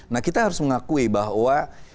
nah kita harus mengakui bahwa